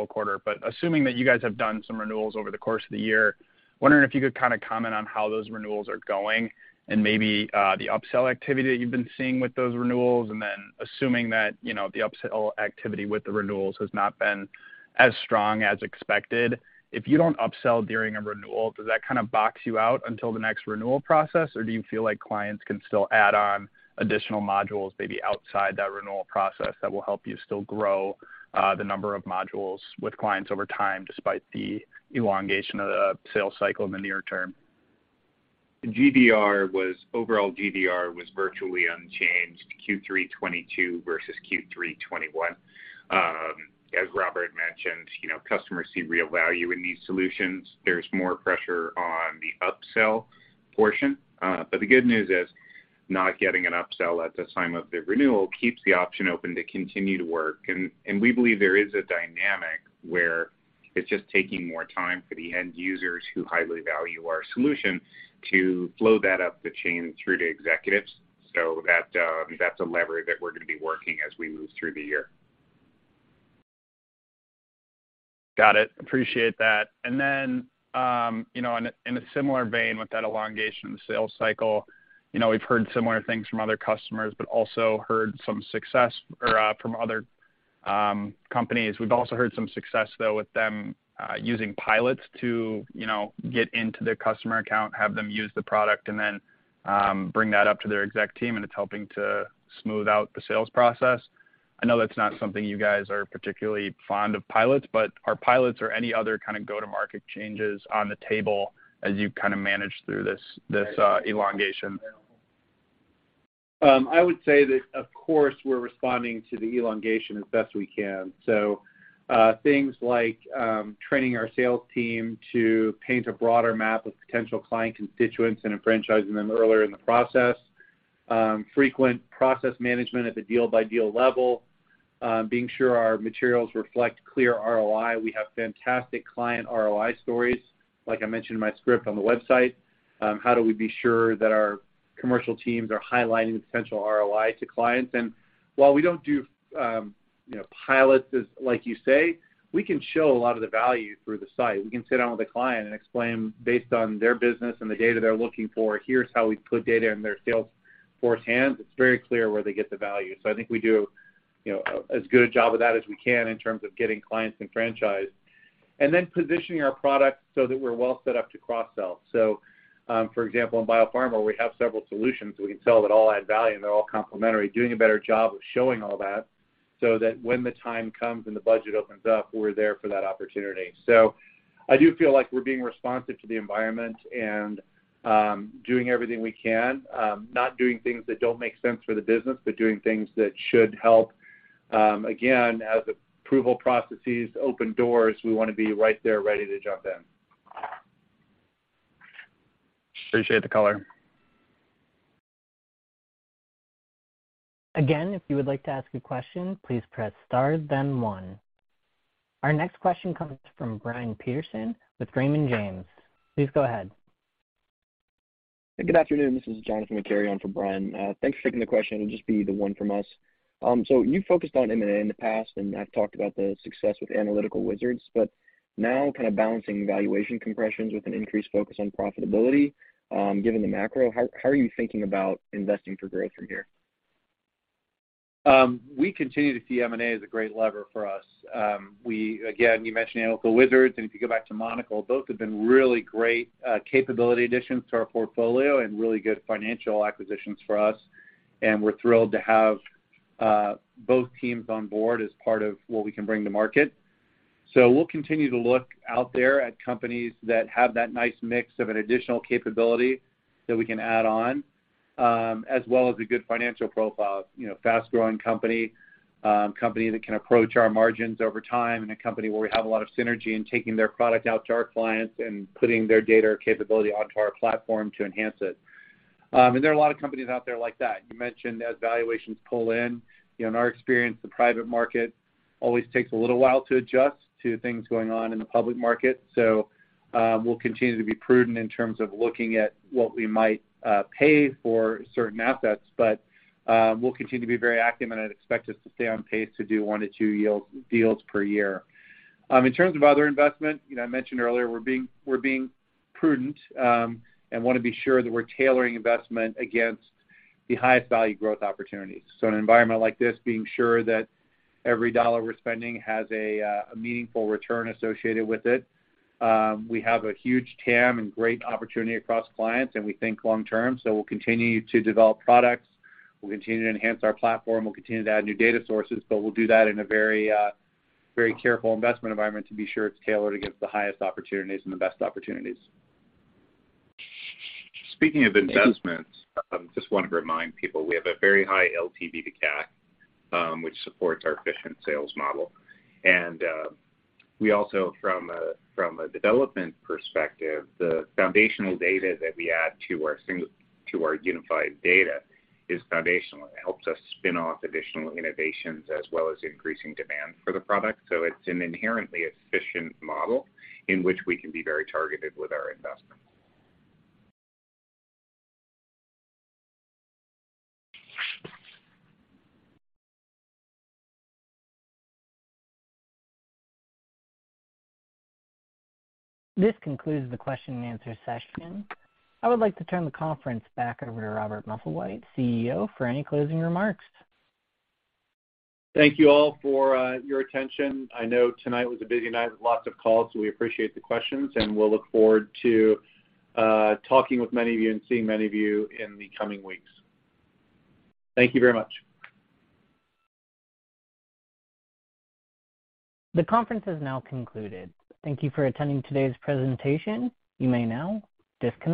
quarter. Assuming that you guys have done some renewals over the course of the year, wondering if you could kinda comment on how those renewals are going and maybe the upsell activity that you've been seeing with those renewals. Assuming that, you know, the upsell activity with the renewals has not been as strong as expected, if you don't upsell during a renewal, does that kind of box you out until the next renewal process? Do you feel like clients can still add on additional modules maybe outside that renewal process that will help you still grow the number of modules with clients over time, despite the elongation of the sales cycle in the near term? Overall, GDR was virtually unchanged, Q3 2022 versus Q3 2021. As Robert mentioned, you know, customers see real value in these solutions. There's more pressure on the upsell portion. The good news is not getting an upsell at the time of the renewal keeps the option open to continue to work. We believe there is a dynamic where it's just taking more time for the end users who highly value our solution to flow that up the chain through to executives. That's a lever that we're gonna be working as we move through the year. Got it. Appreciate that. You know, in a similar vein with that elongation of the sales cycle, you know, we've heard similar things from other customers. We've also heard some success, though, with them using pilots to, you know, get into their customer account, have them use the product, and then bring that up to their exec team, and it's helping to smooth out the sales process. I know that's not something you guys are particularly fond of pilots, but are pilots or any other kind of go-to-market changes on the table as you kind of manage through this elongation? I would say that, of course, we're responding to the elongation as best we can. Things like training our sales team to paint a broader map of potential client constituents and engaging them earlier in the process. Frequent process management at the deal-by-deal level. Being sure our materials reflect clear ROI. We have fantastic client ROI stories, like I mentioned in my script on the website. How do we be sure that our commercial teams are highlighting the potential ROI to clients? While we don't do, you know, pilots, as like you say, we can show a lot of the value through the site. We can sit down with a client and explain based on their business and the data they're looking for, here's how we put data in their Salesforce hands. It's very clear where they get the value. I think we do, you know, as good a job of that as we can in terms of getting clients enfranchised. Positioning our products so that we're well set up to cross-sell. For example, in biopharma, we have several solutions we can sell that all add value, and they're all complementary. Doing a better job of showing all that so that when the time comes and the budget opens up, we're there for that opportunity. I do feel like we're being responsive to the environment and doing everything we can. Not doing things that don't make sense for the business, but doing things that should help. As approval processes open doors, we wanna be right there ready to jump in. Appreciate the color. Again, if you would like to ask a question, please press star then one. Our next question comes from Brian Peterson with Raymond James. Please go ahead. Good afternoon. This is Jonathan McCary on for Brian. Thanks for taking the question. It'll just be the one from us. So you focused on M&A in the past, and I've talked about the success with Analytical Wizards. Now kind of balancing valuation compressions with an increased focus on profitability, given the macro, how are you thinking about investing for growth from here? We continue to see M&A as a great lever for us. Again, you mentioned Analytical Wizards, and if you go back to Monocl, both have been really great capability additions to our portfolio and really good financial acquisitions for us. We're thrilled to have both teams on board as part of what we can bring to market. We'll continue to look out there at companies that have that nice mix of an additional capability that we can add on, as well as the good financial profile. You know, fast-growing company that can approach our margins over time, and a company where we have a lot of synergy in taking their product out to our clients and putting their data or capability onto our platform to enhance it. There are a lot of companies out there like that. You mentioned as valuations pull in, you know, in our experience, the private market always takes a little while to adjust to things going on in the public market. We'll continue to be prudent in terms of looking at what we might pay for certain assets. We'll continue to be very active, and I'd expect us to stay on pace to do one to two deals per year. In terms of other investment, you know, I mentioned earlier we're being prudent, and wanna be sure that we're tailoring investment against the highest value growth opportunities. In an environment like this, being sure that every dollar we're spending has a meaningful return associated with it. We have a huge TAM and great opportunity across clients, and we think long term. We'll continue to develop products, we'll continue to enhance our platform, we'll continue to add new data sources, but we'll do that in a very, very careful investment environment to be sure it's tailored against the highest opportunities and the best opportunities. Speaking of investments, just wanted to remind people, we have a very high LTV to CAC, which supports our efficient sales model. We also from a development perspective, the foundational data that we add to our unified data is foundational. It helps us spin off additional innovations as well as increasing demand for the product. It's an inherently efficient model in which we can be very targeted with our investments. This concludes the question and answer session. I would like to turn the conference back over to Robert Musslewhite, CEO, for any closing remarks. Thank you all for your attention. I know tonight was a busy night with lots of calls, so we appreciate the questions, and we'll look forward to talking with many of you and seeing many of you in the coming weeks. Thank you very much. The conference has now concluded. Thank you for attending today's presentation. You may now disconnect.